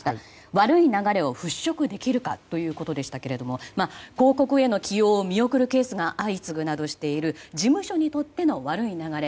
悪い流れを払拭できるかということでしたけれども広告への起用を見送るケースが相次ぐなどしている事務所にとっての悪い流れ。